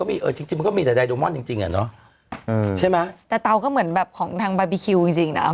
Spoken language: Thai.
ไม่ใช่พี่อ่านจริงจังมากเลยหนูก็นั่งฟังอะไรวะ